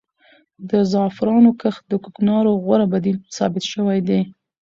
د زعفرانو کښت د کوکنارو غوره بدیل ثابت شوی دی.